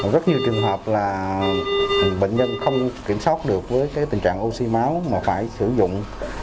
rất nhiều trường hợp là bệnh nhân không kiểm soát được với tình trạng oxy máu mà phải sử dụng